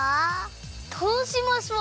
どうしましょう。